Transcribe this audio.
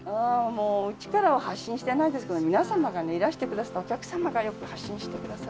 もううちからは発信してないですけど皆様がねいらしてくださったお客様がよく発信してくださるので。